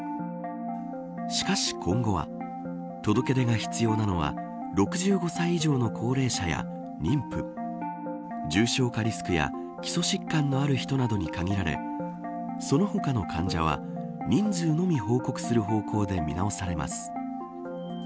しかし今後は届け出が必要なのは６５歳以上の高齢者や妊婦重症化リスクや基礎疾患のある人などに限られその他の患者は人数のみ報告する方向で見直されます。